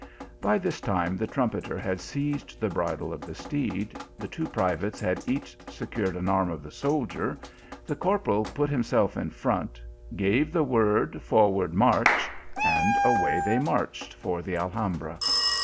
By this time the trumpeter had seized the bridle of the steed, the two privates had each secured an arm of the soldier, the corporal put himself in front, gave the word, " forward, march !" and away they marched for the Alhambra.